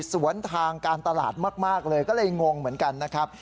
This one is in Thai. สวนทางการตลาดมากเลยก็เลยงงเหมือนกันนะครับ